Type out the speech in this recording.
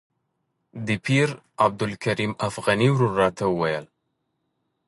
د پیر عبدالکریم افغاني ورور راته وویل.